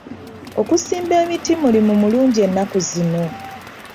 Okusimba emiti mulimu mulungi ennaku zino.